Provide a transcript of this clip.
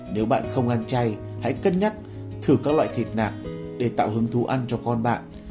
nếu bạn không ăn chay hãy cân nhắc thử các loại thịt nạc để tạo hứng thú ăn cho con bạn